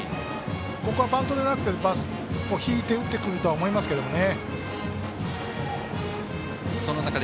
ここはバントでなくて、引いて打ってくるとは思いますけどね。